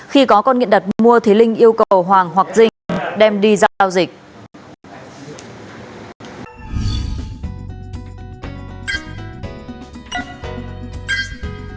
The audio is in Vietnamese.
khi có con nghiện đặt mua thì linh yêu cầu hoàng hoặc dinh đem đi giao dịch